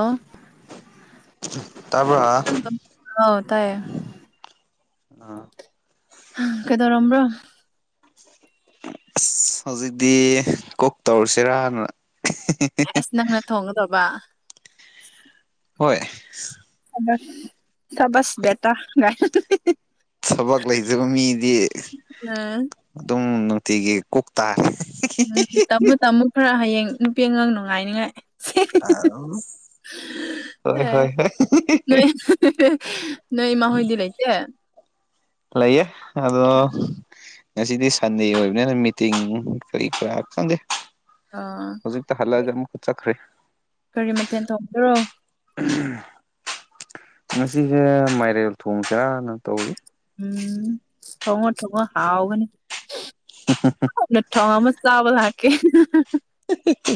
ꯑ ꯇꯥꯕ꯭ꯔꯥ ꯑꯥꯎ ꯇꯥꯏꯌꯦ ꯑꯥ ꯀꯩꯗꯧꯔꯝꯕ꯭ꯔ ꯑꯁ ꯍꯧꯖꯤꯛꯇꯤ ꯀꯣꯛ ꯇꯧꯔꯁꯤꯔꯅ ꯑꯁ ꯅꯪꯅ ꯊꯣꯡꯉꯗꯕ ꯍꯣꯏ ꯊꯕꯁ ꯇꯥ ꯉ ꯊꯕꯛ ꯂꯩꯖꯕ ꯃꯤꯗꯤ ꯒꯥꯏꯅ ꯑꯗꯨꯝ ꯅꯨꯡꯇꯤꯒꯤ ꯀꯣꯛ ꯇꯥꯔꯦ ꯎꯝ ꯇꯝꯃꯣ ꯇꯝꯃꯣ ꯈꯔ ꯍꯌꯦꯡ ꯅꯨꯄꯤ ꯑꯉꯥꯡ ꯅꯨꯡꯉꯥꯏꯅꯤꯉꯥꯏ ꯍꯣꯏ ꯑꯦ ꯍꯣꯏ ꯍ ꯅꯣꯏ ꯅꯣꯏ ꯏꯃꯥ ꯍꯣꯏꯗ ꯂꯩ ꯏꯆ ꯂꯩꯌꯦ ꯑꯗꯣ ꯉꯁꯤꯗꯤ ꯁꯟꯗꯦ ꯑꯣꯏꯕꯅꯤꯅ ꯃꯤꯇꯤꯡ ꯀꯔꯤ ꯀꯔꯥ ꯈꯪꯗꯦ ꯑꯥ ꯍꯧꯖꯤꯛꯇ ꯍꯜꯂꯛꯑꯒ ꯑꯃꯨꯛꯀ ꯆꯠꯈ꯭ꯔꯦ ꯀꯔꯤ ꯃꯊꯦꯜ ꯊꯣꯡꯗꯔꯣ ꯉꯁꯤꯁꯦ ꯃꯥꯏꯔꯦꯜ ꯊꯣꯡ ꯀꯔꯅ ꯇꯧꯋ ꯎꯝ ꯊꯉꯣ ꯊꯉꯣ ꯍꯥꯎꯥꯎꯒꯅꯤ ꯅ ꯊꯣ ꯃ ꯆꯥꯕꯂ ꯀꯦ ꯍꯍꯍ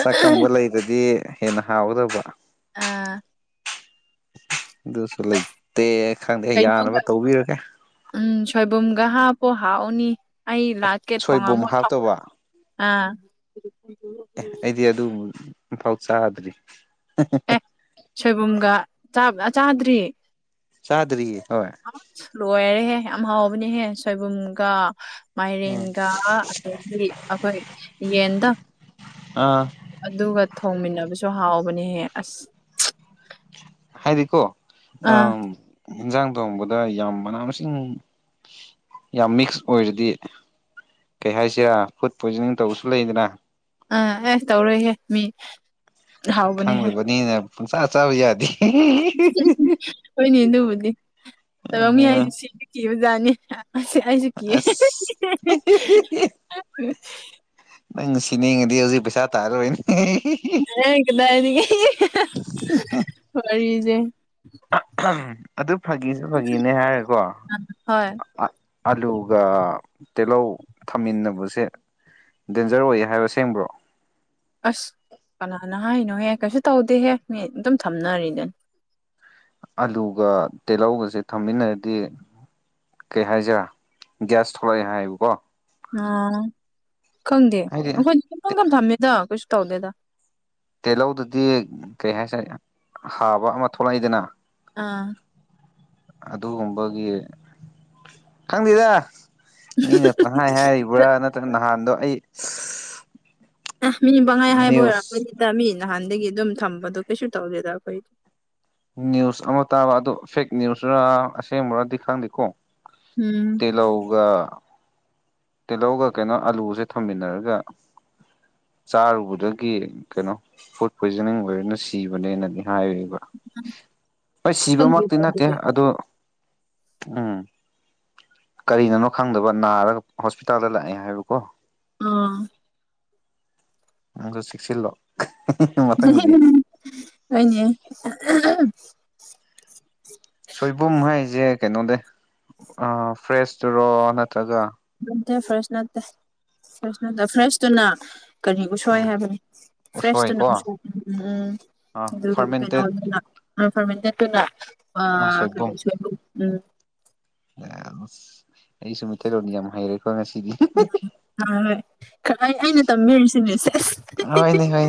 ꯁꯛꯈꯪꯕ ꯂꯩꯗꯗꯤ ꯍꯦꯟꯅ ꯍꯥꯎꯒꯗꯕ ꯑꯥ ꯑꯗꯨꯁꯨ ꯑꯁ ꯂꯩꯇꯦ ꯈꯪꯗꯦ ꯀꯩꯅꯣꯒ ꯌꯥꯅꯕ ꯇꯧꯕꯤꯔꯒꯦ ꯎꯝ ꯁꯣꯏꯕꯨꯝꯒ ꯍꯥꯞꯄꯨ ꯍꯥꯎꯅꯤ ꯑꯩ ꯂꯥꯠꯀꯦ ꯁꯣꯏꯕꯨꯝ ꯊꯣꯡꯉꯝꯃꯣ ꯍꯥꯞꯇꯧꯕ ꯑꯥ ꯑꯦ ꯑꯩꯗꯤ ꯑꯗꯨ ꯑꯝꯐꯥꯎ ꯆꯥꯗ꯭ꯔꯤ ꯑꯦ ꯁꯣꯏꯕꯨꯝꯒ ꯆꯥꯕꯅ ꯆꯥꯗ꯭ꯔꯤ ꯆꯥꯗ꯭ꯔꯤꯌꯦ ꯍꯣꯏ ꯂꯣꯏꯔꯦꯍꯦ ꯌꯥꯝ ꯍꯥꯎꯕꯅꯦꯍꯦ ꯁꯣꯏꯕꯨꯝꯒ ꯑꯥ ꯃꯥꯏꯔꯦꯟꯒ ꯑꯗꯒꯤ ꯑꯩꯈꯣꯏ ꯌꯦꯟꯗ ꯑꯥ ꯑꯗꯨꯒ ꯊꯣꯡꯃꯤꯟꯅꯕꯁꯨ ꯍꯥꯎꯕꯅꯦꯍꯦ ꯑꯁ [unintelligible] ꯍꯥꯏꯗꯤꯀꯣ ꯑꯥ ꯑꯝ ꯏꯟꯖꯥꯡ ꯊꯣꯡꯕꯗ ꯌꯥꯝ ꯃꯅꯥ ꯃꯁꯤꯡ ꯌꯥꯝ ꯃꯤꯛꯁ ꯑꯣꯏꯔꯗꯤ ꯀꯩ ꯍꯥꯏꯁꯤꯔꯥ ꯐꯨꯗ ꯄꯣꯏꯖꯅꯤꯡ ꯇꯧꯕꯁꯨ ꯂꯩꯗꯅ ꯑꯥ ꯑꯦ ꯇꯧꯔꯣꯏꯍꯦ ꯃꯤ ꯍꯥꯎꯕꯅꯦꯍꯦ ꯈꯪꯗꯕꯅꯤꯅ ꯄꯪꯆꯥ ꯆꯥꯕ ꯌꯥꯗꯦ [unintelligible] ꯍꯣꯏꯅꯦ ꯑꯗꯨꯕꯨꯗꯤ ꯇꯥꯏꯕꯪ ꯃꯤ ꯍꯥꯏꯖꯤ ꯁꯤꯕ ꯀꯤꯕ ꯖꯥꯠꯅꯤ ꯑꯁ ꯑꯩꯖꯨ ꯀꯤꯌꯦ ꯑꯁ [unintelligible] ꯅꯪꯉ ꯁꯤꯅꯤꯡꯉꯗꯤ ꯍꯧꯖꯤꯛ ꯄꯩꯁꯥ ꯇꯥꯔꯔꯣꯏꯅꯦ ꯀꯗꯥꯏ ꯀꯗꯥꯏꯗꯒꯤ [unintelligible] ꯋꯥꯔꯤꯖꯦ ꯎꯝ ꯑꯗꯨ ꯐꯥꯒꯤꯁꯨ ꯐꯥꯒꯤꯅꯦ ꯍꯥꯏꯔꯀꯣ ꯍꯣꯏ ꯑꯂꯨꯒ ꯇꯦꯜꯂꯧ ꯊꯝꯃꯤꯟꯅꯕꯁꯦ ꯗꯦꯟꯖꯔ ꯑꯣꯏꯌꯦ ꯍꯥꯏꯕ ꯑꯁꯦꯡꯕ꯭ꯔꯣ ꯑꯁ ꯀꯅꯥꯅ ꯍꯥꯏꯅꯣꯍꯦ ꯀꯩꯁꯨ ꯇꯧꯗꯦꯍꯦ ꯃꯤ ꯑꯗꯨꯝ ꯊꯝꯅꯔꯤꯗꯨꯅꯤ ꯑꯂꯨꯒ ꯇꯦꯜꯂꯧꯒꯁꯦ ꯊꯝꯃꯤꯟꯅꯔꯗꯤ ꯀꯩ ꯍꯥꯏꯖꯤꯔꯥ ꯒ꯭ꯌꯥꯁ ꯊꯣꯛꯂꯛꯑꯦ ꯍꯥꯏꯌꯦꯕꯀꯣ ꯑꫭ ꯈꯪꯗꯦ ꯍꯥꯏꯗꯤ ꯑꯩꯈꯣꯏꯗꯤ ꯄꯪꯊꯝꯗ ꯊꯝꯃꯦꯗ ꯀꯩꯁꯨ ꯇꯧꯗꯦꯗ ꯇꯦꯂꯧꯗꯨꯗꯤ ꯀꯩ ꯍꯥꯏꯁꯦ ꯍꯥꯕ ꯑꯃ ꯊꯣꯛꯂꯛꯏꯗꯅ ꯑꯥ ꯑꯗꯨꯒꯨꯝꯕꯒꯤ ꯈꯪꯗꯦꯗ ꯃꯤꯅ ꯄꯪꯍꯥꯏ ꯍꯥꯏꯔꯤꯕ꯭ꯔꯥ ꯅꯠꯇ꯭ꯔꯒ ꯅꯍꯥꯟꯗꯣ ꯑꯩ ꯑꯦ ꯃꯤ ꯄꯪꯍꯥꯏ ꯍꯥꯏꯕ ꯅ꯭ꯌꯨꯁ ꯑꯣꯏꯔꯝꯒꯅꯤꯗ ꯃꯤ ꯅꯍꯥꯟꯗꯒꯤ ꯑꯗꯨꯝ ꯊꯝꯕꯗꯣ ꯀꯩꯁꯨ ꯇꯧꯗꯦꯗ ꯑꯩꯈꯣꯏꯒꯤ ꯅ꯭ꯌꯨꯁ ꯑꯃ ꯇꯥꯕ ꯑꯗꯨ ꯐꯦꯛ ꯅ꯭ꯌꯨꯁꯔ ꯑꯁꯦꯡꯕꯔꯗꯤ ꯈꯪꯗꯦꯀꯣ ꯎꯝ ꯇꯦꯂꯧꯒ ꯇꯤꯜꯍꯧꯒ ꯀꯩꯅꯣ ꯑꯂꯨꯁꯦ ꯊꫭꯃꯤꯟꯅꯔꯒ ꯆꯥꯔꯨꯕꯗꯒꯤ ꯀꯩꯅꯣ ꯐꯨꯗ ꯄꯣꯏꯖꯅꯤꯡ ꯑꯣꯏꯔꯦꯅ ꯁꯤꯕꯅꯦꯅꯗꯤ ꯍꯥꯑꯦꯕ ꯍꯣꯏ ꯁꯤꯕꯃꯛꯇꯤ ꯈꯪꯗꯦꯀꯣ ꯅꯠꯇꯦ ꯑꯗꯨꯗꯤ ꯑꯗꯨ ꯎꯝ ꯀꯔꯤꯅꯅꯣ ꯈꯪꯗꯕ ꯅꯥꯔꯒ ꯍꯣꯁꯄꯤꯇꯥꯜꯗ ꯂꯥꯛꯑꯦ ꯍꯥꯏꯕꯀꯣ ꯑꯥ ꯅꯪꯖꯨ ꯆꯦꯛꯁꯤꯜꯂꯣ ꯃꯊꯪꯗꯗꯤ [unintelligible] ꯍ‌ꯣꯏꯅꯦ [unintelligible] ꯁꯣꯏꯕꯨꯝ ꯍꯥꯏꯖꯦ ꯀꯩꯅꯣꯅꯦ ꯑ ꯐ꯭ꯔꯦꯁꯇꯨꯔꯣ ꯅꯠꯇ꯭ꯔꯒ ꯅꯠꯇꯦ ꯐ꯭ꯔꯦꯁ ꯅꯠꯇꯦ ꯐ꯭ꯔꯦꯁ ꯅꯠꯇꯦ ꯐ꯭ꯔꯦꯁꯇꯨꯅ ꯀꯔꯤ ꯎꯁꯣꯏ ꯍꯥꯏꯕꯅꯤ ꯐ꯭ꯔꯦꯁꯇꯨꯅ ꯎꯁꯣꯏꯀꯣ ꯎꯁ‌ꯣꯏ ꯎꯝ ꯑꯥ ꯑꯗꯨꯗꯨꯒꯤ ꯀꯩꯅꯣ ꯐꯥꯔꯃꯦꯟꯇꯦꯠ [unintelligible] ꯑ ꯐꯥ꯭ꯔꯃꯦꯟꯇꯦꯠꯇꯨꯅ ꯑ ꯀꯩꯅꯣ ꯁꯣꯏꯕꯨꯝ ꯎꯝ [unintelligible] ꯑꯩꯁꯨ ꯃꯤꯇꯩ ꯂꫭꯟꯗꯤ ꯌꯥꯝ ꯍꯥꯏꯔꯦ [inaudible] ꯍꫭ ꯍꯣꯏ ꯈꯠꯅꯩ ꯑꯩꯅ ꯇꯝꯃꯤꯔꯤꯁꯤꯅꯦ ꯁꯦꯁ [unintelligible]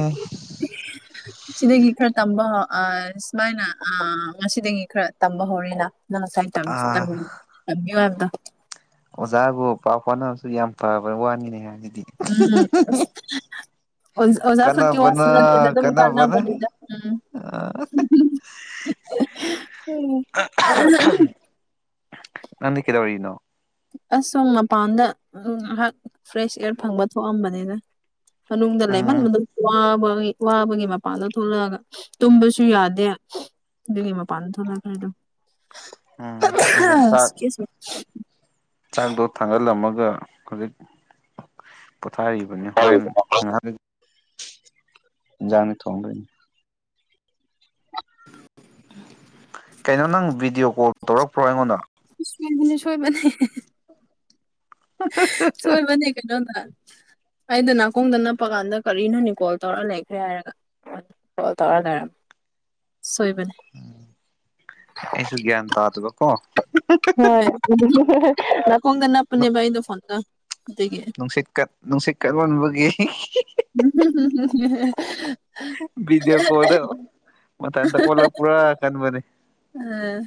[inaudible] ꯁꯤꯗꯒꯤ ꯈꯔ ꯇꯝꯕ ꯑ ꯁꯨꯃꯥꯏꯅ ꯑ ꯉꯁꯤꯗꯒꯤ ꯈꯔ ꯇꯝꯕ ꯍꯧꯔꯦꯅ ꯅꯪ ꯉꯁꯥꯏ ꯇꯝꯁ ꯑꯥ ꯇꯝ-ꯇꯝꯕꯤꯌꯣ ꯍꯥꯏꯕꯗꯣ ꯑꯣꯖꯥꯕꯨ ꯄꯥꯎ ꯐꯥꯎꯅꯕꯁꯨ ꯌꯥꯝ ꯐꯕ ꯋꯥꯅꯤꯅꯦ ꯍꯥꯏꯅꯤꯅ‌ꯦ ꯍꯥ ꯎꯝ ꯑꯁ ꯍꯥꯍꯥ ꯑꯣ ꯑꯣꯖꯥꯈꯛ ꯀꯤ ꯀꯥꯟꯅꯕꯅ ꯋꯥꯁꯨ ꯅꯠꯇ‌ꯦꯗ ꯑꯗꯨꯝ ꯀꯥꯟꯅꯥ ꯀꯥꯟꯅꯕꯅ ꯕꯅꯤꯗ ꯎꯝ ꯑꯥ ꯑꯥ ꯍꯝ ꯅꯪꯗꯤ ꯀꯩꯗꯧꯔꯤꯅ‌ꯣ ꯑꯁ ꯁꯣꯝ ꯃꯄꯥꯟꯗ ꯉꯥꯏꯍꯥꯛ ꯐ꯭ꯔꯦꯁ ꯏꯌꯥꯔ ꯐꯪꯕ ꯊꯣꯛꯑꯝꯕꯅꯤꯗ ꯃꯅꯨꯡꯗ ꯎꯝ ꯂꯩꯃꯟꯕꯥꯗ ꯋꯥꯕ ꯗ‌ꯣꯏ ꯋꯥꯕꯒꯤ ꯃꯄꯥꯟꯗ ꯊꯣꯛꯂꯛꯑꯒ ꯇꯨꯝꯕꯁꯨ ꯌꯥꯗꯦ ꯑꯗꯨꯒꯤ ꯃꯥꯄꯥꯟ ꯊ‌ꯣꯛꯂꯛꯈ꯭ꯔ‌ꯦ ꯗꯨꯝ ꯎꯝ ꯑꯩꯁꯨ ꯆꯥꯛ ꯆꯥꯛꯗꯣ ꯊꯥꯡꯒꯠꯂꯝꯃꯒ ꯍꯧꯖꯤꯛ ꯄꯣꯊꯥꯔꯤꯕꯅꯤ ꯍꯣꯔꯦꯟ ꯉꯍꯥꯛ ꯂꯩ ꯏꯟꯖꯥꯡ ꯊ‌ꯣꯡꯗ‌ꯣꯏꯅꯤ ꯀꯩꯅꯣ ꯅꯪ ꯚꯤꯗꯤꯑꯣ ꯀꯣꯜ ꯇꯧꯔꯛꯄ꯭ꯔꯣ ꯑꯩꯉꯣꯟꯗ ꯌ‌ꯦꯟꯕꯤꯅꯥ ꯁꯣꯏꯕꯅꯤ ꯁꯣꯏ ꯕꯅꯦ ꯀꯩꯅꯣ ꯅꯥ ꯑꯩꯗ ꯅꯥꯀꯣꯡꯗ ꯅꯞꯄ ꯀꯥꯟꯗ ꯀꯔꯤꯅꯣꯅꯤ ꯀꯣꯜ ꯇꯧꯔ ꯂꯩꯈ꯭ꯔꯦ ꯍꯥꯏꯔꯒ ꯇꯔꯅ ꯁꯣꯏꯕꯅꯦ ꯑꯩꯁꯨ ꯒ꯭ꯌꯥꯟ ꯇꯥꯗꯕ ꯀꯣ ꯍꯣꯏ ꯅꯥꯀꯣꯡꯗ ꯅꯞꯄꯅꯤꯕ ꯑꯩꯗ ꯐꯣꯟꯗ ꯅꯨꯡꯁꯤꯠ ꯀꯠ ꯅꯨꯡꯁꯤꯠ ꯀꯠ ꯃꯟꯕꯒꯤ ꯎ ꯍꯨ ꯍꯨ ꯍꯥꯥ ꯍꯦ ꯚꯗꯤꯑꯣ ꯀꯣꯜꯗ ꯃꯊꯪꯗ ꯑꯣꯜꯂꯛ ꯄ꯭ꯔꯥ ꯈꯟꯕꯅꯤ ꯎ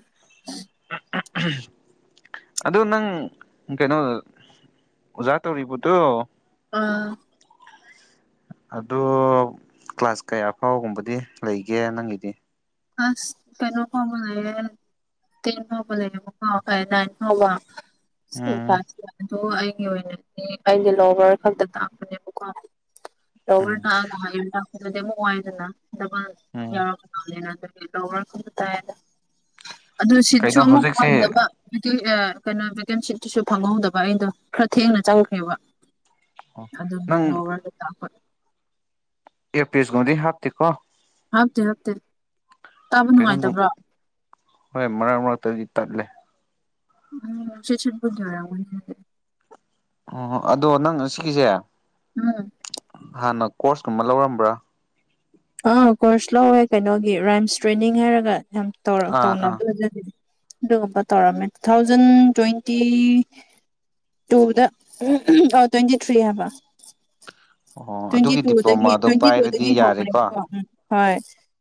ꯑ ꯑꯥꯍꯝ ꯑꯗꯨ ꯅꯪ ꯀꯩꯅꯣ ꯑꯣꯖꯥ ꯇꯧꯔꯤꯕꯗꯣ ꯑꯥ ꯑꯗꯨ ꯀ꯭ꯂꯥꯁ ꯀꯌꯥ ꯐꯥꯎꯒꯨꯝꯕꯗꯤ ꯂꯩꯒꯦ ꯅꯪꯒꯤꯗꯤ ꯑꯁ ꯀꯩꯅꯣ ꯐꯥꯎ ꯕ ꯂꯩꯌꯦ ꯇꯨ꯭ꯌ‌ꯦꯜꯞ ꯐꯥꯎ ꯕꯗꯤ ꯂꯩꯌꯦ ꯑꯥ ꯅꯥꯏꯟ ꯐꯥꯎꯕꯥ ꯎꯝ ꯆꯁꯤ ꯑꯗ ꯑꯩꯒꯤ ꯑꯣꯏꯅꯗꯤ ꯑꯩꯒꯤ ꯂꯣꯋꯥꯔ ꯈꯛꯇ ꯇꯥꯛꯄꯅꯦꯕꯀꯣ ꯎꯝ ꯇꯧꯔꯦꯅ ꯍꯥꯏꯕꯥ ꯗꯥꯗꯤ ꯑꯥꯃꯨꯛ ꯋꯥꯏꯗꯅ ꯗꯥꯕꯜ ꯎꯝ ꯌꯥꯎꯔꯛ ꯈꯔꯥ ꯕꯅꯤꯅꯥ [unintelligible] ꯑꯗꯨ ꯁꯤꯠꯁꯨ ꯀꯩꯅꯣ ꯑꯃꯨꯛ ꯍꯧꯖꯤꯛꯁꯦ ꯐꯪꯗꯕ ꯑꯗꯨꯏ ꯑꯥ ꯀꯩꯅꯣ ꯚꯦꯀꯦꯟꯁꯤꯠꯇꯨꯁꯨ ꯐꯪꯍꯧꯗꯕ ꯑꯩꯗꯣ ꯈꯔ ꯊꯦꯡꯅ ꯆꯪꯈ꯭ꯔꯦꯕ ꯑꯗꯨꯝ ꯅꯪ ꯂꯣꯋꯥ꯭ꯔꯗ ꯇꯥꯛꯄ ꯑꯦꯌꯥ꯭ꯔ ꯄꯤꯁ ꯉꯗꯤ ꯍꯥꯞꯇꯤꯀꯣ ꯍꯥꯞꯇꯦ ꯍꯥꯞꯇꯦ ꯇꯥꯕ ꯀꯩꯅꯣꯝ ꯅꯨꯡꯉꯥꯏꯇꯕ꯭ꯔꯣ ꯍꯣꯏ ꯃꯔꯛ ꯃꯔꯛꯇꯗꯤ ꯇꯠꯂꯦ ꯎꯝꯅꯨꯡꯁꯤꯦꯁꯟꯄꯨꯔ ꯔ ꯑꯃꯒꯤꯅꯤ ꯊꯦ ꯑꯣꯣ ꯑꯗꯣ ꯅꯪ ꯑꯁꯤꯒꯤꯒꯤꯁꯦ ꯎꯝ ꯍꯥꯟꯅ ꯀꯣꯔꯁꯀꯨꯝꯕ ꯂꯧꯔꯝꯕ꯭ꯔꯥ ꯑꯥ ꯀꯣꯔꯁ ꯂꯧꯋꯦ ꯀꯩꯅꯣꯒꯤ ꯔꯥꯏꯝꯁ ꯇ꯭ꯔꯦꯅꯤꯡ ꯍꯥꯏꯔꯒ ꯌꯥꯝ ꯇꯧ ꯑꯥ ꯑꯥ ꯇꯧꯅꯕꯖ ꯑꯗꯨꯒꯨꯝꯕ ꯇꯧꯔꯝꯃꯦ ꯇꯨ ꯊꯥꯎꯖꯟ ꯇ꯭ꯋꯦꯟꯇꯤ ꯇꯨꯗ ꯑ ꯇ꯭ꯋꯦꯟꯇꯤ ꯊ꯭ꯔꯤ ꯍꯥꯏꯕ ꯑꯣ ꯇ꯭ꯋꯦꯟꯇꯤ ꯑꯗꯨꯒꯤ ꯇꯨꯗꯒꯤ ꯗꯤꯄ꯭ꯂꯣꯃꯥꯗꯣ ꯇ꯭ꯋꯦꯟꯇꯤ ꯇꯨꯗꯒꯤ ꯄꯥꯏꯔꯗꯤ ꯌꯥꯔꯦꯀꯣ ꯍꯈꯅꯦꯦꯀꯣ ꯎꯝ ꯍꯣꯏ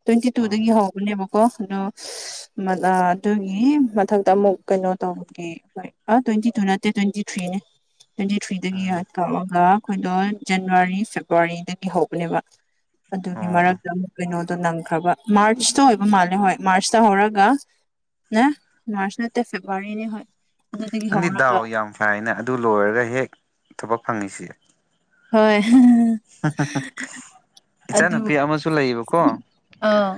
ꯇ꯭ꯋꯦꯟꯇꯤ ꯑꯣ ꯇꯨꯗꯒꯤ ꯍꯧꯕꯅꯦꯕ ꯀ ꯑꯣ ꯑꯗꯨꯒꯤ ꯃꯊꯛꯇ ꯑꯃꯨꯛ ꯀꯩꯅꯣ ꯇꯧꯕꯒꯤ ꯑꯩꯣꯏ ꯑꯗꯨ ꯇ꯭ꯋꯦꯟꯇꯤ ꯇꯨ ꯅꯠꯇꯦ ꯇ꯭ꯋꯦꯟꯇꯤ ꯊ꯭ꯔꯤꯅꯦ ꯇ꯭ꯋꯦꯟꯇꯤ ꯊ꯭ꯔꯤꯗꯒꯤ ꯑꯣ ꯀꯧꯔꯒ ꯑꯩꯈꯣꯏꯗꯣ ꯖꯅꯋꯥꯔꯤ ꯐꯦꯕꯋꯥꯔꯤꯗꯒꯤ ꯍꯧꯕꯅꯦꯕ ꯑꯗꯨꯒꯤ ꯑꯣ ꯃꯔꯛꯇ ꯑꯃꯨꯛ ꯀꯩꯅꯣ ꯑꯗꯨꯣ ꯅꯪꯈ꯭ꯔꯕ ꯃꯥꯔꯆꯇ ꯑꯣꯏꯕ ꯃꯥꯜꯂꯦ ꯍꯣꯏ ꯃꯥꯔꯆꯇ ꯍꯧꯔꯒ ꯅ ꯃꯥꯔꯆ ꯅꯠꯇ ꯐꯦꯕ꯭ꯔꯋꯥꯔꯤꯅꯦ ꯍ ꯅꯪꯗꯤ ꯗꯥꯎ ꯌꯥꯝ ꯐꯥꯏꯅ ꯑꯗꯨ ꯂꯣꯏꯔꯒ ꯍꯦꯛ ꯊꯕꯛ ꯐꯪꯉꯤꯁꯤ ꯍꯣꯏ ꯏꯆꯥ ꯑꯗꯨ ꯅꯨꯨꯄꯤ ꯑꯃꯁꯨ ꯂꯩꯌꯦꯕꯀꯣ ꯑꯥ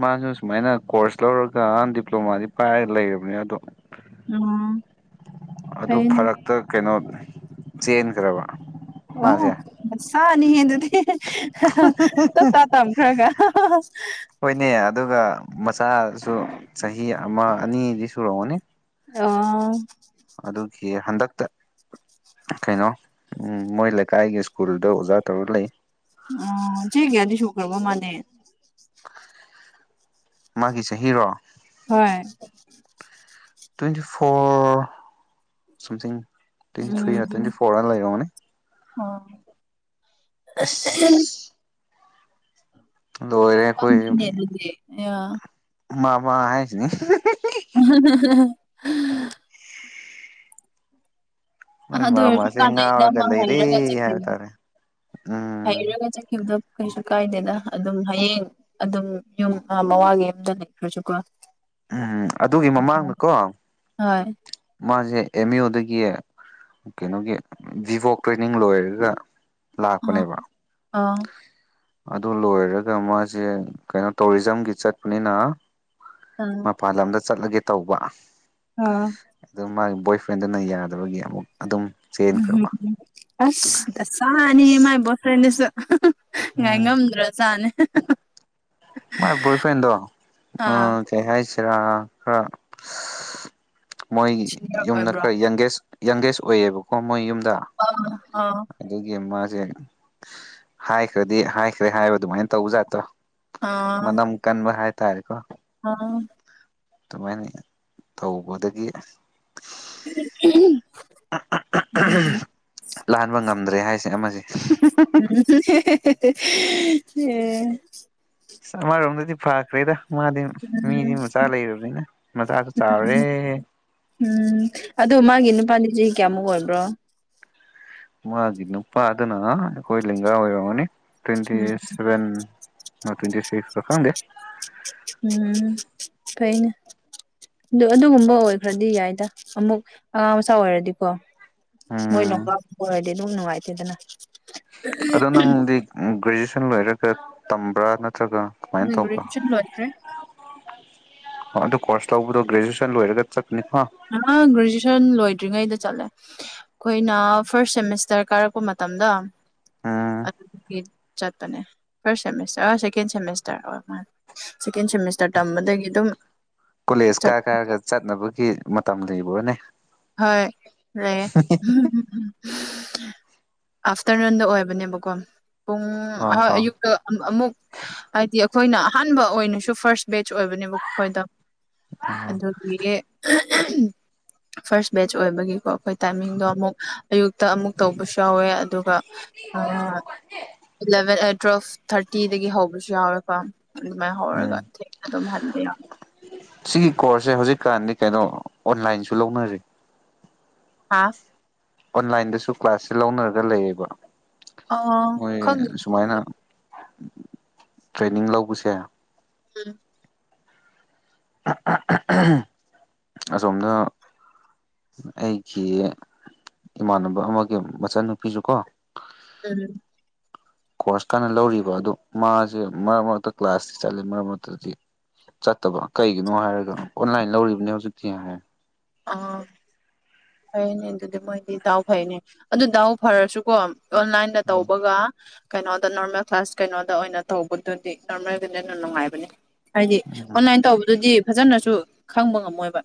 ꯃꯥꯁꯨ ꯁꯨꯃꯥꯏꯅ ꯀꯣꯔꯁ ꯂꯧꯔꯒ ꯗꯤꯄ꯭ꯂꯣꯃꯥꯗꯤ ꯄꯥꯏꯔꯒ ꯂꯩꯔꯕꯅꯤ ꯑꯗꯣ ꯎꯝ ꯑꯗꯨ ꯐꯩꯅꯦ ꯐꯔꯛꯇ ꯀꯩꯅꯣ ꯆꯦꯟꯈ꯭ꯔꯕ ꯑꯣ ꯃꯥꯁꯦ ꯁꯥꯥꯅꯤ ꯍꯦ ꯑꯗꯨꯗꯤ ꯇꯞꯇꯥ ꯇꯝꯈ꯭ꯔꯒ ꯎ ꯣꯏꯅꯦ ꯑꯗꯨ ꯃꯆꯥꯁꯨ ꯆꯍꯤ ꯑꯃ ꯑꯅꯤꯗꯤ ꯁꯨꯔꯛꯒꯅꯤ ꯑꯣ ꯑꯗꯨꯒꯤ ꯍꯟꯗꯛ ꯀꯩꯅꯣ ꯃꯣꯏ ꯂꯩꯀꯥꯏꯒꯤ ꯁ꯭ꯀꯨꯜꯗ ꯑꯣꯖꯥ ꯇꯧꯔ ꯂꯩ ꯑꯣ ꯆ ꯀꯅꯤꯁꯨꯨꯈ꯭ꯔꯔꯕ ꯃꯥꯅꯦ ꯃꯥꯒꯤ ꯆꯍꯤꯔꯣ ꯍꯣꯏ ꯇ꯭ꯋꯦꯟꯇꯤ ꯐꯣꯔ ꯁꯝꯊꯤꯡ ꯇ꯭ꯋꯦꯟꯇꯤ ꯊ꯭ꯔꯤꯗ ꯇ꯭ꯋꯦꯟꯇꯤ ꯐꯣꯔ ꯑꯅ ꯂꯩꯔꯝꯅꯦ ꯑꯁ ꯑ ꯂꯣꯏꯔꯦ ꯑꯅꯦ ꯑꯗꯨꯦ ꯑ ꯃꯃꯥ ꯍꯥꯏꯁꯤꯅꯤ [unintelligible] ꯑ ꯅꯣꯏ ꯋꯁꯨ ꯃꯥꯃꯥꯁꯦ ꯀꯥꯂ ꯂꯩꯗ ꯉꯥꯎꯔꯒ ꯑꯃ ꯍꯥꯏꯩꯔꯒ ꯆ ꯂꯩꯔꯦ ꯍꯥꯏꯕ ꯈꯈꯤꯂ ꯇꯥꯔꯦ ꯎꯝ ꯍꯥꯏꯔꯒ ꯆ ꯀ ꯎꯗ ꯀꯩ ꯀꯥꯏꯗꯦꯗ ꯑꯗꯨꯝ ꯍꯌꯦꯡ ꯑꯗꯨꯝ ꯌꯨꯝ ꯃꯃꯥꯡꯒꯤ ꯌꯨꯝꯗ ꯂꯩꯈ꯭ꯔꯁꯨꯀꯣ ꯎꯝ ꯑꯗꯨꯒꯤ ꯃꯃꯥꯡꯅꯀꯣ ꯍꯣꯏ ꯃꯥꯁꯦ ꯑꯦꯝ ꯌꯨꯗꯒꯤ ꯀꯩꯅꯣꯒꯤ ꯚꯤꯚꯣꯛ ꯇ꯭ꯔꯦꯅꯤꯡ ꯂꯣꯏꯔꯒ ꯑꯥ ꯂꯥꯛꯄꯅꯦꯕ ꯑꯥ ꯑꯗꯨ ꯂꯣꯏꯔꯒ ꯃꯥꯁꯦ ꯀꯩꯅꯣ ꯇꯧꯔꯤꯖꯝꯒꯤ ꯆꯠꯄꯅꯤꯅ ꯑ ꯃꯄꯥꯟ ꯂꯝꯗ ꯆꯠꯂꯒꯦ ꯇꯧꯕ ꯑꯥ ꯑꯗꯨ ꯃꯥꯒꯤ ꯕꯣꯏ ꯐ꯭ꯔꯦꯟꯗꯨꯅ ꯌꯥꯗꯕꯒꯤ ꯑꯃꯨꯛ ꯑꯗꯨꯝ ꯆꯦꯟꯈ꯭ꯔꯕ ꯑꯁ ꯆꯅꯤ ꯃꯥꯏ ꯁꯦꯅꯁ ꯉꯥꯏ ꯎꯝ ꯉꯝꯗ꯭ꯔꯣ ꯆꯥꯅꯦ ꯃꯥꯏ ꯣꯣꯏ ꯐ꯭ꯔꯦꯟꯣ ꯎꯝꯦ ꯍꯥꯏꯁꯤꯔ ꯈ ꯃꯣꯏ ꯁꯤꯅꯤꯌꯔ ꯌꯨꯝꯗ ꯑꯣꯏꯕ꯭ꯔꯣ ꯈꯔ ꯌꯪꯒꯦꯁ ꯌꯪꯒꯦꯁ ꯑꯣꯏꯑꯕꯀꯣ ꯃꯣꯏ ꯌꯨꯝꯗ ꯑꯥ ꯑꯥ ꯑꯗꯨꯒꯤ ꯑꯃ ꯍꯧꯛ ꯍꯥꯏꯈ꯭ꯔꯗꯤ ꯍꯥꯏꯈ꯭ꯔꯦ ꯍꯥꯏꯕ ꯑꯗꯨꯃꯥꯏꯅ ꯇꯧꯕꯖꯥꯠꯇ꯭ꯔꯣ ꯑꯥ ꯃꯅꯝ ꯀꯟꯕ ꯍꯥꯏꯇꯥꯔꯦꯀꯣ ꯑꯥ ꯑꯗꯨꯃꯥꯏꯅ ꯇꯧꯕꯗꯒꯤ ꯎꯝ ꯂꯥꯟꯕ ꯉꯝꯗ꯭ꯔꯦ ꯍꯥꯏꯁꯦ ꯑꯃꯁꯦ [unintelligible] ꯍ ꯁꯃꯥꯔꯣꯝꯗꯗꯤ ꯐꯥꯈ꯭ꯔꯦꯗ ꯃꯥꯗꯤ ꯃꯤꯗꯤ ꯎꯝ ꯃꯆꯥ ꯂꯩꯔꯕꯅꯤꯅ ꯃꯆꯥꯁꯨ ꯆꯥꯎꯔꯦ ꯎꯝ ꯑꯗꯨ ꯃꯥꯒꯤ ꯅꯨꯄꯥꯅꯤ ꯆꯍꯤ ꯀꯌꯥꯃꯨꯛ ꯑꯣꯏꯕ꯭ꯔꯣ ꯃꯥꯒꯤ ꯅꯨꯄꯥꯗꯨꯅ ꯑꯩꯈꯣꯏ ꯂꯦꯡꯒꯥ ꯑꯣꯏꯔꯝꯒꯅꯤ ꯇ꯭ꯋꯦꯟꯇꯤ ꯎꯝ ꯁꯚꯦꯟ ꯑꯣ ꯇ꯭ꯋꯦꯟꯇ ꯁꯤꯁ ꯔꯪꯦ ꯀꯥꯏꯩꯅ ꯑꯗꯨ ꯑꯗꯨꯒꯨꯝꯕ ꯑꯣꯏꯈ꯭ꯔꯗꯤ ꯌꯥꯏꯗ ꯑꯃꯨꯛ ꯑꯉꯥꯡ ꯃꯆꯥ ꯑꯣꯏꯔꯗꯤꯀꯣ ꯃꯣꯏ ꯎꯝ ꯂꯄꯥꯛ ꯑꯣꯏꯔꯗꯤ ꯑꯗꯨꯝ ꯅꯨꯡꯉꯥꯏꯇꯦꯗꯅ ꯑꯗꯣ ꯅꯪꯗꯤ ꯒ꯭ꯔꯦꯖꯨꯌꯦꯁꯟ ꯂꯣꯏꯔꯒ ꯇꯝꯕ꯭ꯔꯥ ꯅꯠꯇ꯭ꯔꯒ ꯀꯃꯥꯏꯅ ꯅꯣꯏ ꯇꯧꯕ ꯒ꯭ꯔꯦꯖꯨꯑꯦꯁꯟ ꯂꯣꯏꯈ꯭ꯔꯦ ꯑ ꯑꯗꯨ ꯀꯣꯁ ꯂꯗꯣꯒ꯭ꯔꯦꯖꯨꯌꯦꯁꯟ ꯂꯔꯒ ꯆ ꯒꯔꯦꯖꯨꯋꯁꯟ ꯂꯣꯏ ꯠꯇ꯭ꯔꯤꯉꯩꯗ ꯆꯠꯂꯦ ꯑꯩꯈꯣꯏꯅ ꯐꯥꯔꯁ ꯁꯦꯃꯤꯁꯇꯔ ꯀꯥꯔꯛꯄ ꯃꯇꯝꯗ ꯎꯝ ꯑꯗꯨꯒꯤ ꯆꯠꯄꯅꯦ ꯐꯥꯔꯁ ꯁꯦꯃꯤꯁꯇꯔ ꯁꯦꯀꯦꯟ ꯁꯦꯃꯤꯁꯇꯔ ꯃꯥ ꯁꯦꯀꯦꯟ ꯁꯦꯃꯤꯁꯇꯔ ꯇꯝꯕꯗꯒꯤ ꯑꯗꯨꯝ ꯀꯣꯂꯦꯖ ꯆꯠ ꯀꯥꯏ ꯀꯥꯏꯔꯒ ꯆꯠꯅꯕꯒꯤ ꯃꯇꯝ ꯂꯩꯕꯅꯦ ꯍꯣꯏ ꯂꯩꯌꯦ ꯑꯥꯐꯇꯔꯅꯨꯟꯗ ꯑꯣꯏꯕꯅꯦꯕꯀꯣ ꯄꯨꯡ ꯍ ꯍ ꯑꯌꯨꯛꯇ ꯑꯃꯨꯛ ꯍꯥꯏꯗꯤ ꯑꯩꯈꯣꯏꯅ ꯑꯍꯥꯟꯕ ꯑꯣꯏꯅꯁꯨ ꯐꯥꯔꯁ ꯕꯦꯖ ꯑꯣꯏꯕꯅꯦꯕ ꯈꯣꯏꯗ ꯑꯗꯨꯒꯤ ꯐꯥꯔꯁ ꯕꯦꯆ ꯑꯣꯏꯕꯒꯤꯀꯣ ꯑꯩꯈꯣꯏ ꯇꯥꯏꯃꯤꯡꯗꯣ ꯑꯃꯨꯛ ꯑꯌꯨꯛꯇ ꯑꯃꯨꯛ ꯇꯧꯕꯁꯨ ꯆꯥꯎꯋꯦ ꯑꯗꯨꯒ ꯑꯦꯂꯚꯦꯟ ꯑꯩꯠ ꯇꯨꯋꯦꯜꯐ ꯊꯥꯔꯇꯤꯗꯒꯤ ꯍꯧꯕꯁꯨ ꯌꯥꯎꯋꯦꯀꯣ ꯑꯗꯨꯃꯥꯏꯅ ꯍꯧꯔꯒ ꯎꯝ ꯊꯦꯡꯅ ꯑꯗꯨꯝ ꯍꯟꯕ ꯌꯥꯎꯋꯦ ꯁꯤꯒꯤ ꯀꯣꯔꯁꯁꯦ ꯍꯧꯖꯤꯛꯀꯥꯟꯗꯤ ꯀꯩꯅꯣ ꯑꯣꯟꯂꯥꯏꯟꯁꯨ ꯂꯧꯅꯔꯤ ꯍꯥꯥ ꯑꯣꯟꯂꯥꯏꯟꯗꯁꯨ ꯀ꯭ꯂꯥꯁ ꯂꯧꯅꯔꯒ ꯂꯩꯌꯦꯕ ꯑꯣ ꯍꯣꯏ ꯈꯪꯗꯦ ꯁꯨꯃꯥꯏꯅ ꯇ꯭ꯔꯦꯅꯤꯡ ꯂꯧꯕꯁꯦ ꯎꯝ [unintelligible] ꯑꯁꯣꯝꯗ ꯑꯩꯒꯤ ꯏꯃꯥꯟꯅꯕ ꯑꯃꯒꯤ ꯃꯆꯟꯅꯨꯄꯤꯁꯨ ꯀꯣ ꯎꯝ ꯀꯣꯔꯁ ꯀꯥꯟꯅ ꯂꯧꯔꯤꯕ ꯑꯗꯨ ꯃꯥꯁꯦ ꯃꯔꯛ ꯃꯔꯛꯇ ꯀ꯭ꯂꯥꯁꯇꯤ ꯆꯠꯂꯤ ꯃꯔꯛ ꯃꯔꯛꯇꯗꯤ ꯆꯠꯇꯕ ꯀꯩꯒꯤꯅꯣ ꯍꯥꯏꯔꯒꯅ ꯑꯣꯟꯂꯥꯏꯟ ꯂꯧꯔꯤꯕꯅꯤ ꯍꯧꯖꯤꯛꯇꯤ ꯍꯥꯏꯦ ꯑꯥ ꯐꯩꯅꯦ ꯑꯗꯨꯗꯤ ꯃꯣꯏꯗꯤ ꯗꯥꯎ ꯐꯩꯅꯦ ꯑꯗꯨ ꯗꯥꯎ ꯐꯔꯁꯨꯀꯣ ꯑꯣꯟꯂꯥꯏꯟꯗ ꯇꯧꯕꯒ ꯀꯩꯅꯣꯗ ꯅꯣꯔꯃꯦꯜ ꯀ꯭ꯂꯥꯁ ꯀꯩꯅꯣꯗ ꯑꯣꯏꯅ ꯇꯧꯕꯗꯨꯗꯤ ꯅꯣꯔꯃꯦꯜꯗꯨꯅꯩꯅ ꯅꯨꯡꯉꯥꯏꯕꯅꯦ ꯍꯥꯏꯗꯤ ꯑꯣꯟꯂꯥꯏꯟ ꯇꯧꯕꯗꯨꯗꯤ ꯐꯖꯅꯁꯨ ꯈꯪꯕ ꯉꯝꯃꯣꯏꯕ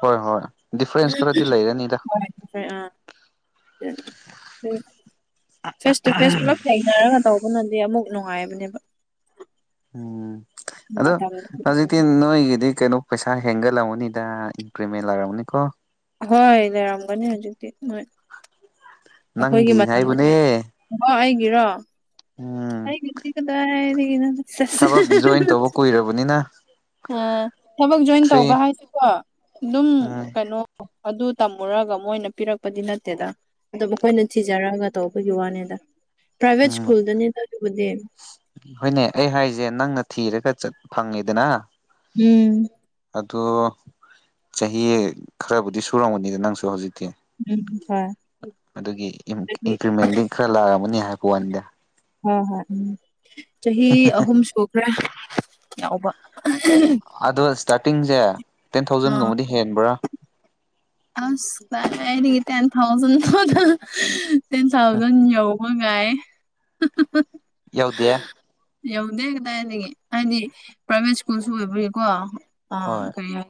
ꯍꯣꯏ ꯍꯣꯏ ꯗꯤꯐ꯭ꯔꯦꯟꯁ ꯈꯔꯗꯤ ꯂꯩꯔꯅꯤꯗ ꯍꯣꯏ ꯑꯥ ꯐꯦꯁ ꯇꯨ ꯐꯦꯁ ꯄꯨꯂꯞ ꯊꯦꯡꯅꯔꯒ ꯇꯧꯕꯅꯗꯤ ꯑꯃꯨꯛ ꯅꯨꯡꯉꯥꯏꯕꯅꯦꯕ ꯎꯝ ꯑꯗꯣ ꯃꯇꯝꯗꯣ ꯍꯧꯖꯤꯛꯇꯤ ꯅꯣꯏꯒꯤꯗꯤ ꯀꯩꯅꯣ ꯄꯩꯁꯥ ꯍꯦꯡꯒꯠꯂꯝꯒꯅꯤꯗ ꯏꯟꯀ꯭ꯔꯤꯃꯦꯟ ꯂꯥꯛꯔꯝꯅꯤꯀꯣ ꯍꯣꯏ ꯂꯩꯔꯝꯒꯅꯤ ꯍꯧꯖꯤꯛꯇꯤ ꯍꯣꯏ ꯑꯩꯈꯣꯏꯒꯤ ꯅꯪꯒꯤ ꯃꯇꯝꯗꯗꯤ ꯍꯥꯏꯕꯅꯦ ꯔꯣ ꯎꯝ ꯑꯩ ꯀꯗꯥꯏ ꯍꯥꯏꯔꯤ ꯊꯕꯛ ꯖꯣꯏꯟ ꯇꯧꯕ ꯀꯨꯏꯔꯕꯅꯤꯅ [unintelligible] ꯊꯕꯛ ꯖꯣꯏꯟ ꯊ꯭ꯔꯤ ꯇꯧꯕ ꯍꯥꯏꯁꯤꯀꯣ ꯑꯗꯨꯝ ꯎꯝ ꯀꯩꯅꯣ ꯑꯗꯨ ꯇꯝꯃꯨꯔꯒ ꯃꯣꯏꯅ ꯄꯤꯔꯛꯄꯗꯤ ꯅꯠꯇꯦꯗ ꯑꯣ ꯃꯈꯣꯏꯅ ꯊꯤꯖꯔꯛꯒ ꯇꯧꯕꯒꯤ ꯋꯥꯅꯤꯗ ꯄ꯭ꯔꯥꯏꯕꯦꯠ ꯎꯝ ꯁꯀꯨꯜꯗꯅꯦ ꯍꯣꯏꯅꯦ ꯑꯩ ꯍꯥꯏꯁꯦ ꯅꯪꯅ ꯊꯤꯔꯒꯠ ꯐꯪꯉꯤꯗꯅ ꯎꯝ ꯑꯣ ꯆꯍꯤ ꯈꯔꯕꯨꯗꯤ ꯁꯨꯔꯝꯒꯅꯤꯗ ꯅꯪꯁꯨ ꯍꯧꯖꯤꯛꯇꯤ ꯎꯝ ꯍꯣꯏ ꯑꯗꯨꯒꯤ ꯆꯍꯤ ꯏꯟꯀ꯭ꯔꯤꯃꯦꯟꯗꯤ ꯈꯔ ꯂꯥꯛꯑꯝꯃꯅꯤ ꯍꯥꯏꯕ ꯋꯥꯅꯤꯗ ꯍꯣꯏ ꯍꯣꯏ ꯎꯝ ꯆꯍꯤ ꯑꯍꯨꯝ ꯁꯨꯈ꯭ꯔꯦ ꯌꯥꯎꯕ ꯑꯗꯣ ꯏꯁꯇꯥꯔꯇꯤꯡꯁꯦ ꯇꯦꯟ ꯑꯥ ꯊꯥꯎꯖꯟꯒꯨꯝꯕꯗꯤ ꯍꯦꯟꯕ꯭ꯔꯥ ꯑꯩꯗꯒꯤ ꯇꯦꯟ ꯊꯥꯎꯖꯟ ꯇꯦꯟ ꯊꯥꯎꯖꯟ ꯌꯧꯕꯒꯥꯏ [unintelligible] ꯌꯥꯎꯗꯦ ꯌꯧꯗꯦ ꯀꯗꯥꯏꯅꯤ ꯍꯥꯏꯗꯤ ꯄ꯭ꯔꯥꯏꯚꯦꯠ ꯁ꯭ꯀꯨꯜꯁꯨ ꯑꯣꯏꯕꯒꯤꯀꯣ ꯑ ꯍꯣꯏ ꯀꯩ